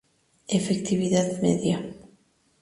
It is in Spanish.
Efectividad: Media.